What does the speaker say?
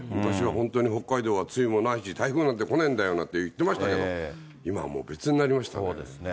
本当に北海道は梅雨もないし、台風なんで来ねえんだよなんて言ってましたけど、今はもう別になりましたね。